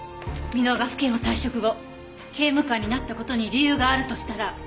箕輪が府警を退職後刑務官になった事に理由があるとしたら。